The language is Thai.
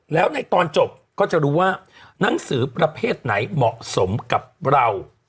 แล้วในตอนจบก็จะรู้ว่านังสือประเภทไหนเหมาะสมกับเรา